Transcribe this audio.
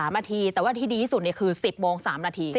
นาทีแต่ว่าที่ดีที่สุดคือ๑๐โมง๓นาที